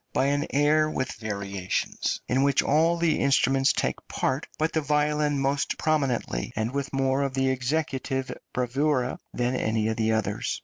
by an air with variations, in which all the instruments take part, but the violin more prominently, and with more of executive bravura than any of the others.